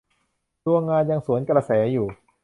ดวงงานยังสวนกระแสอยู่